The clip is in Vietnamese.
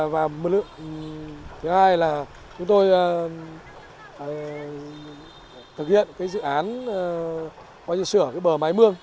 và thứ hai là chúng tôi thực hiện cái dự án qua dự sửa cái bờ mái mương